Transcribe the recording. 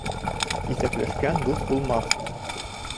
Иҫәпләшкән дуҫ булмаҫ.